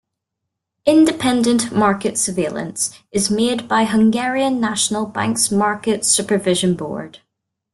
Independent market surveillance is made by Hungarian National Bank's Market Supervision Board.